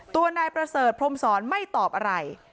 ตัวนายประเสริฐพรมศรไม่ตอบอะไร